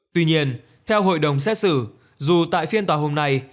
tuy nhiên theo hội đồng xét xử dù tại phiên tòa hôm nay